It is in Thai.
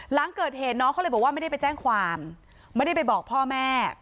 หลังเกิดเหตุน้องเขาเลยบอกว่าไม่ได้ไปแจ้งความไม่ได้ไปบอกพ่อแม่